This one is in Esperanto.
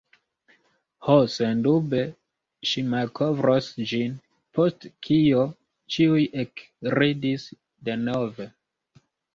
Ho, sendube ŝi malkovros ĝin. Post kio ĉiuj ekridis denove.